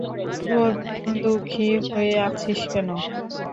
তো, দুঃখী হয়ে আছিস কেন?